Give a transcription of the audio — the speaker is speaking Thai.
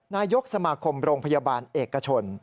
นายกสมาคมโรงพยาบาลเอกชน